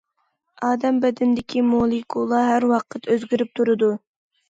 ئادەم بەدىنىدىكى مولېكۇلا ھەر ۋاقىت ئۆزگىرىپ تۇرىدۇ.